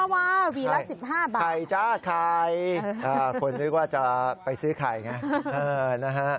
วีลละ๑๕บาทไข่จ้ะไข่คุณนึกว่าจะไปซื้อไข่ไงนะฮะ